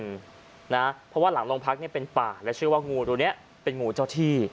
เพราะว่าหลังโรงพักเป็นป่าและเชื่อว่างูตัวนี้เป็นงูเจ้าที่